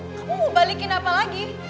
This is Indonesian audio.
kamu mau balikin apa lagi